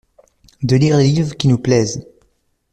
De lire les livres qui nous plaisent …